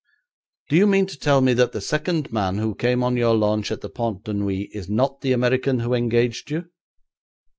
'Do you mean to tell me that the second man who came on your launch at the Pont de Neuilly is not the American who engaged you?'